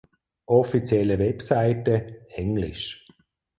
Offizielle Webseite (englisch)